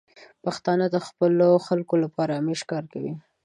پښتانه د خپلو خلکو لپاره همیشه کار کوي.